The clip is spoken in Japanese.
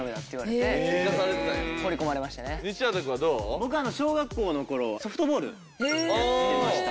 僕小学校の頃ソフトボールやってました。